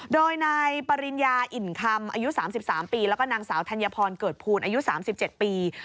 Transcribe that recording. โดยนายปริญญาอิ่นคำอายุ๓๓ปีแล้วก็นางสาวธัญพรเกิดภูลอายุ๓๗ปี